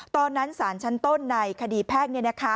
ตอนนั้นสารชั้นต้นในคดีแพ่ง